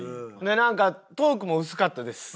なんかトークも薄かったです。